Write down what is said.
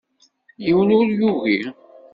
Yiwen ur yugi.